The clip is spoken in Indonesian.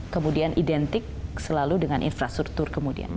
kemudian identik selalu dengan infrastruktur kemudian